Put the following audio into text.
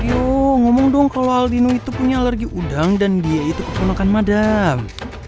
aduh ngomong dong kalau aldino itu punya alergi udang dan dia itu kebonakan madem